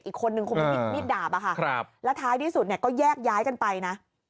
อีกคนนึงคงเป็นมีดดาบอะค่ะแล้วท้ายที่สุดเนี่ยก็แยกย้ายกันไปนะ